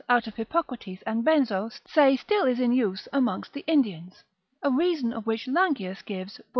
out of Hippocrates and Benzo say still is in use amongst the Indians, a reason of which Langius gives lib.